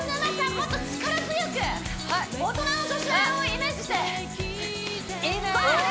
もっと力強く大人の女性をイメージしていいね